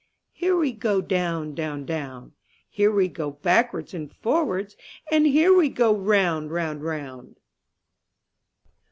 Here we go down, down, down; Here we go backwards and forwards, And here we go round, round, round.